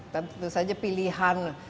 tentu saja pilihan